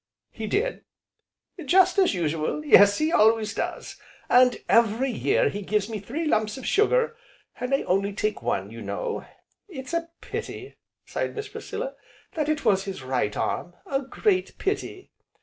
"He did." "Just as usual; yes he always does, and every year he gives me three lumps of sugar, and I only take one, you know. It's a pity," sighed Miss Priscilla, "that it was his right arm, a great pity!"